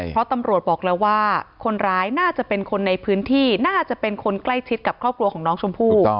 เพราะตำรวจบอกแล้วว่าคนร้ายน่าจะเป็นคนในพื้นที่น่าจะเป็นคนใกล้ชิดกับครอบครัวของน้องชมพู่